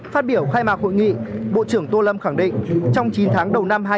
phát biểu khai mạc hội nghị bộ trưởng tô lâm khẳng định trong chín tháng đầu năm hai nghìn hai mươi